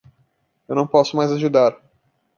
Eu não posso mais ajudar.